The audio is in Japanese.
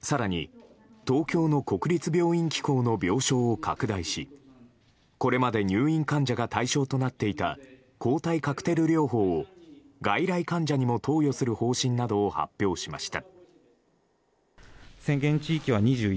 更に東京の国立病院機構の病床を拡大しこれまで入院患者が対象となっていた抗体カクテル療養を外来患者にも投与する方針などを発表しました。